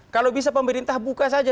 kalau bisa pemerintah buka saja